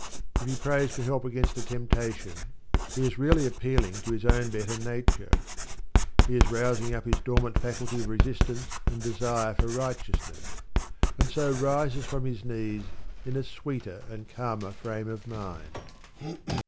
If he prays for help against a temptation, he is really appealing to his own better nature; he is rousing up his dormant faculty of resistance and desire for righteousness, and so rises from his knees in a sweeter and calmer frame of mind.